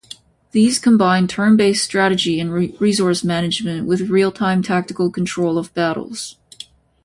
These combine turn-based strategy and resource management, with real-time tactical control of battles.